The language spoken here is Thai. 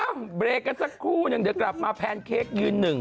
เบรกกันสักครู่นึงเดี๋ยวกลับมาแพนเค้กยืนหนึ่ง